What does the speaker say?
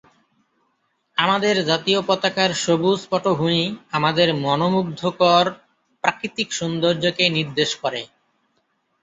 আমাদের জাতীয় পতাকার সবুজ পটভূমি আমাদের মনােমুদ্ধকর প্রাকৃতিক সৌন্দর্যকে নির্দেশ করে।